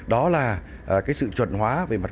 đó là sự chuẩn hóa về mặt